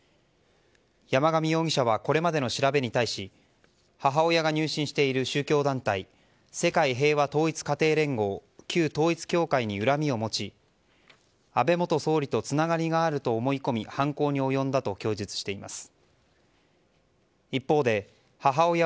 山上容疑者はこれまでの調べに対し母親が入信している宗教団体世界平和統一家庭連合旧統一教会に恨みを持ち安倍元総理とつながりがあると思い込み犯行に及んだと供述しています。